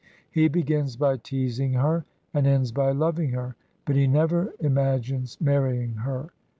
He begins by teasing her, and ends by loving her, but he never imag ines marrying her.